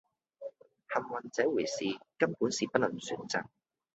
幸運這回事根本是不能選擇